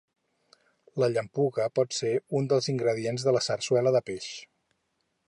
La llampuga pot ser un dels ingredients de la sarsuela de peix.